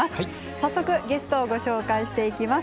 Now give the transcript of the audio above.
早速、ゲストをご紹介していきます。